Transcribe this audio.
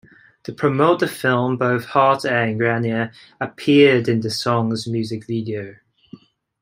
To promote the film, both Hart and Grenier appeared in the song's music video.